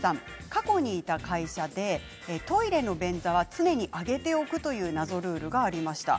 過去にいた会社でトイレの便座は常に上げておくという謎ルールがありました。